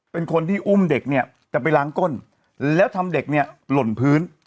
เป็นคนที่อุ้มเด็กเนี่ยจะไปล้างก้นแล้วทำเด็กเนี่ยหล่นพื้น